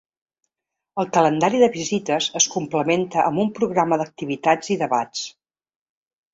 El calendari de visites es complementa amb un programa d’activitats i debats.